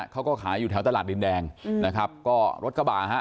เขาก็ขายอยู่แถวตลาดดินแดงนะครับก็รถกระบะฮะ